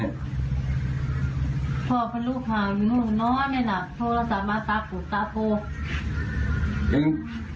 อีกอย่าง